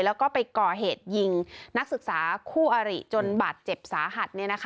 แล้วก็ไปก่อเหตุยิงนักศึกษาคู่อาริจนบาดเจ็บสาหัส